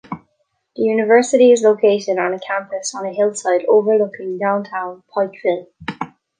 The university is located on a campus on a hillside overlooking downtown Pikeville.